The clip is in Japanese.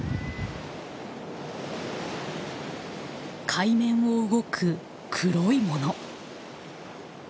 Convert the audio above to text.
海面を動く黒いもの。